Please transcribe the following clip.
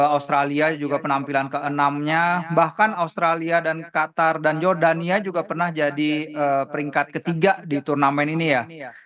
australia juga penampilan ke enam nya bahkan australia dan qatar dan jordania juga pernah jadi peringkat ketiga di turnamen ini ya